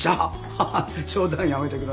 ハハッ冗談はやめてくださいよ。